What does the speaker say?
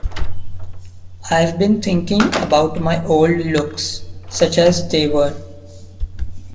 I have been thinking about my old looks — such as they were.